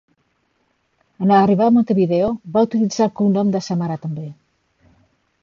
En arribar a Montevideo, va utilitzar el cognom de sa mare també.